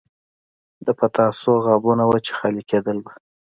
د پتاسو غابونه وو چې خالي کېدل به.